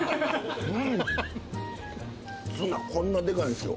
ツナこんなデカいんですよ。